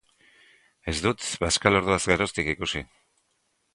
Ez dut bazkalorduaz geroztik ikusi.